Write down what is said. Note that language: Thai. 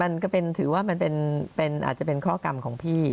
มันก็ถือว่าอาจจะเป็นข้อกรรมของพี่